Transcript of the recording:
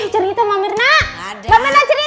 cerita mbak mirna mbak mirna cerita